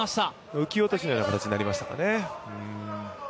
浮き落としのような形になりましたかね。